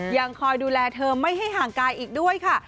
ยังคอยดูแลเธอไม่ให้ห่างกายอีกด้วยค่ะ